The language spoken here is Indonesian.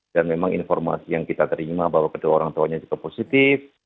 dan memang informasi yang kita terima bahwa kedua orang tuanya juga positif